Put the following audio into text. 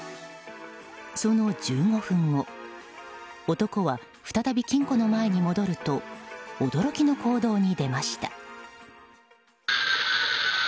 その１５分後男は再び金庫の前に戻ると驚きの行動に出ました。